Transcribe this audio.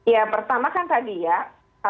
ya pertama kan tadi ya